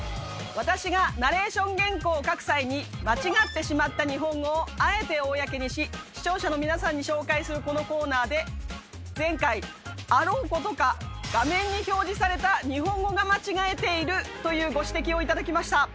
私がナレーション原稿を書く際に間違ってしまった日本語をあえて公にし視聴者の皆さんに紹介するこのコーナーで前回あろうことかというご指摘を頂きました。